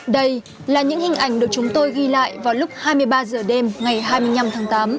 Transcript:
đây là những hình ảnh được chúng tôi ghi lại vào lúc hai mươi ba h đêm ngày hai mươi năm tháng tám